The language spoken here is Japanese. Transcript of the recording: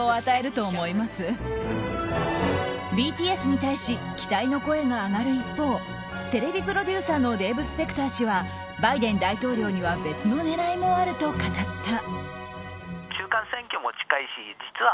ＢＴＳに対し期待の声が上がる一方テレビプロデューサーのデーブ・スペクター氏はバイデン大統領には別の狙いもあると語った。